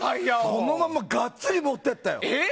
そのままがっつり持ってったよ。